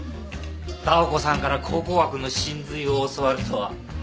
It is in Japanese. ダー子さんから考古学の神髄を教わるとは。